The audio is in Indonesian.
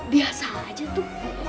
biasa aja tuh